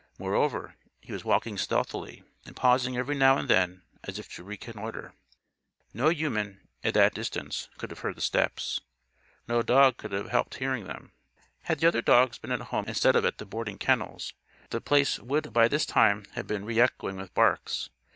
Moreover, he was walking stealthily; and pausing every now and then as if to reconnoiter. No human, at that distance, could have heard the steps. No dog could have helped hearing them. Had the other dogs been at home instead of at the boarding kennels, The Place would by this time have been re echoing with barks.